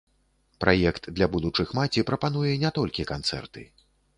Праект для будучых маці прапануе не толькі канцэрты.